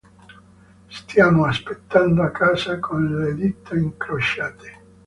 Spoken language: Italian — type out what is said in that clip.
Stiamo aspettando a casa con le dita incrociate.